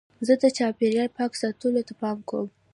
زه د چاپېریال پاک ساتلو ته پام کوم.